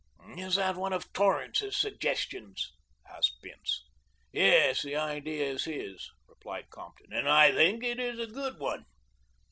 "Is that one of Torrance's suggestions?" asked Bince. "Yes, the idea is his," replied Compton, "and I think it is a good one."